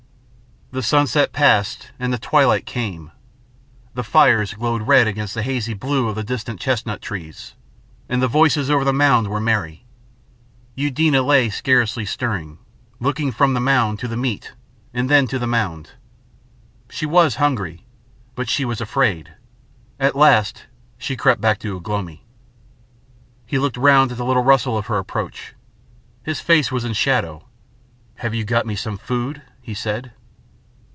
The sunset passed and the twilight came, the fires glowed red against the hazy blue of the distant chestnut trees, and the voices over the mound were merry. Eudena lay scarcely stirring, looking from the mound to the meat and then to the mound. She was hungry, but she was afraid. At last she crept back to Ugh lomi. He looked round at the little rustle of her approach. His face was in shadow. "Have you got me some food?" he said.